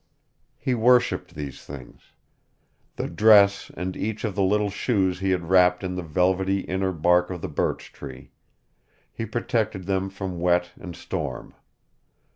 He worshipped these things. The dress and each of the little shoes he had wrapped in the velvety inner bark of the birch tree. He protected them from wet and storm.